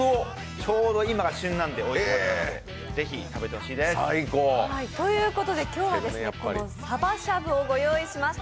ちょうど今が旬なのでぜひ食べてほしいです。ということで今日は鯖しゃぶをご用意しました。